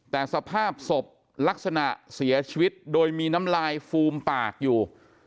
แต่สภาพศพลักษณะเสียชีวิตโดยมีน้ำลายฟูมปากอยู่